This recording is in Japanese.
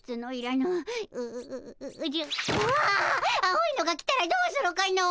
青いのが来たらどうするかの。